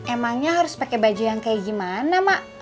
emangnya harus pakai baju yang kayak gimana mak